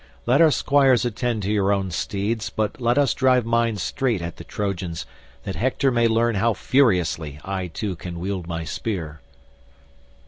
Let our squires attend to your own steeds, but let us drive mine straight at the Trojans, that Hector may learn how furiously I too can wield my spear."